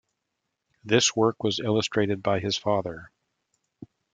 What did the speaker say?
This work was illustrated by his father.